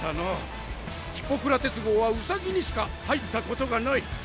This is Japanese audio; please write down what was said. ヒポクラテス号はウサギにしか入ったことがない。